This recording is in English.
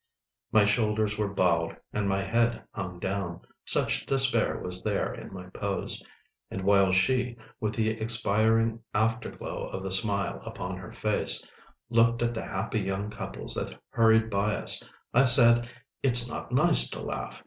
My shoulders were bowed, and my head hung down—such despair was there in my pose. And while she, with the expiring afterglow of the smile upon her face, looked at the happy young couples that hurried by us, I said: "It's not nice to laugh.